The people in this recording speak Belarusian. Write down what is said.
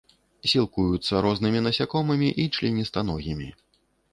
Сілкуюцца рознымі насякомымі і членістаногімі.